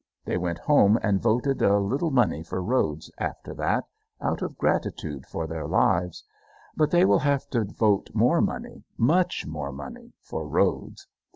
They went home and voted a little money for roads after that, out of gratitude for their lives. But they will have to vote more money, much more money, for roads.